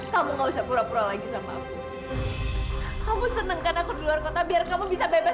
kamu gak usah pura pura lagi sama aku kamu seneng kan aku di luar kota biar kamu bisa bebas